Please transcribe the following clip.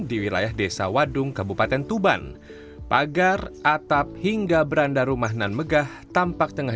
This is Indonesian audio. di wilayah desa wadung kabupaten tuban pagar atap hingga beranda rumah nan megah tampak tengah